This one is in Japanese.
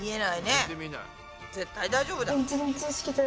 絶対大丈夫だ。